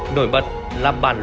nổi bật là bản luận cương